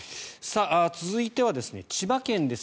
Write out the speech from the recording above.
続いては、千葉県です。